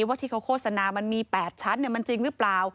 ว่าที่เขาโฆษณามันมี๘ชั้นมันจริงหรือเปล่า